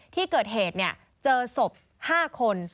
ที่เกิดเหตุเจอศพ๕คน